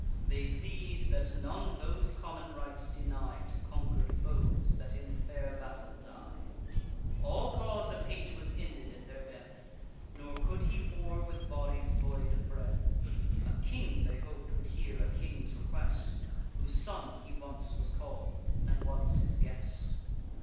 They plead, that none those common rites deny To conquer'd foes that in fair battle die. All cause of hate was ended in their death; Nor could he war with bodies void of breath. A king, they hop'd, would hear a king's request, Whose son he once was call'd, and once his guest.